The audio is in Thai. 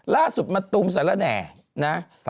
ล่าสุดมาตุ้มสารแน่นะ